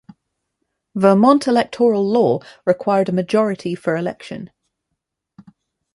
Vermont electoral law required a majority for election.